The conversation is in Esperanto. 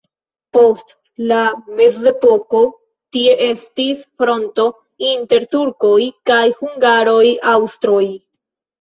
Post la mezepoko tie estis fronto inter turkoj kaj hungaroj-aŭstroj.